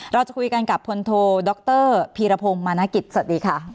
เราจะคุยกันกับพลโทดรพีรพงศ์มานกิจสวัสดีค่ะ